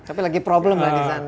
tapi lagi problem lah di sana